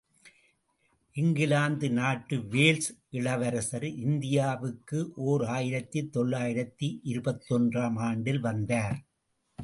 இங்கிலாந்து நாட்டு வேல்ஸ் இளவரசர் இந்தியாவுக்கு ஓர் ஆயிரத்து தொள்ளாயிரத்து இருபத்தொன்று ஆம் ஆண்டில் வந்தார்.